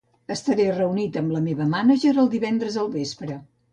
Estaré reunit amb la meva mànager el divendres al vespre.